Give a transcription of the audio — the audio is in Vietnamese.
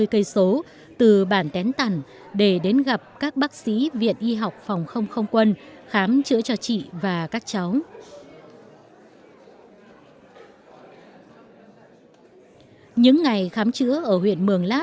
chủ cán bộ y bác sĩ viện y học phòng không không quân đã vượt núi băng ngàn ngược dòng sông mường lát